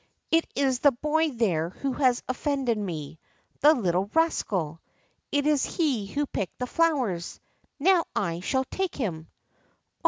It is the boy there who has offended me. The little rascal 1 It is he who picked the flowers. Now I shall take him